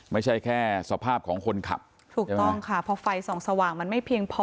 ไม่ใช่แค่สภาพของคนขับถูกต้องค่ะเพราะไฟส่องสว่างมันไม่เพียงพอ